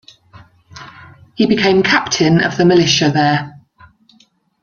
He became captain of the militia there.